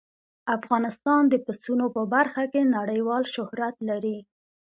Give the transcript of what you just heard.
افغانستان د پسونو په برخه کې نړیوال شهرت لري.